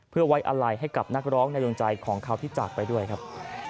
เพื่อไว้อะไรให้กับนักร้องในดวงใจของเขาที่จากไปด้วยครับ